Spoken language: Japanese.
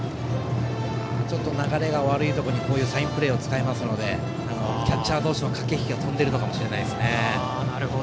ちょっと流れが悪いところにサインプレーを使いましたのでキャッチャー同士の駆け引きが飛んでるのかもしれないですね。